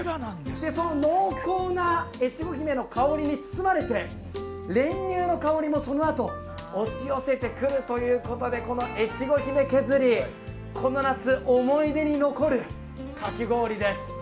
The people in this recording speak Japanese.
その濃厚な越後姫の香りに包まれて練乳の香りも、そのあと押し寄せてくるということで、この越後姫けずりこの夏、思い出に残るかき氷です